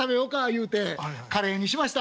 言うてカレーにしました。